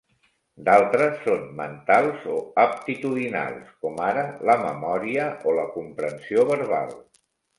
D'altres són mentals o aptitudinals, com ara la memòria o la comprensió verbal.